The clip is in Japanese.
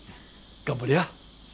頑張りや。